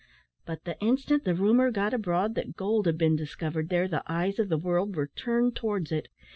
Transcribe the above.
But the instant the rumour got abroad that gold had been discovered there, the eyes of the world were turned towards it.